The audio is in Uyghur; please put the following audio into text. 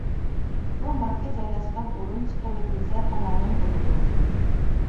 بۇ ماركا جايلاشقان ئورۇن چىقىرىۋېتىلسە تامامەن بولىدۇ.